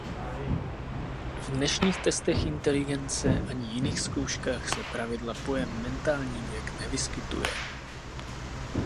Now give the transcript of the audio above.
V dnešních testech inteligence ani jiných zkouškách se zpravidla pojem mentální věk nevyskytuje.